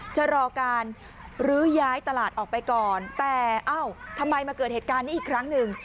จะรอการลื้อย้ายตลาดออกไปก่อนแต่เอ้าทำไมมาเกิดเหตุการณ์นี้อีกครั้งหนึ่ง